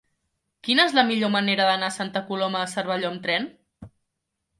Quina és la millor manera d'anar a Santa Coloma de Cervelló amb tren?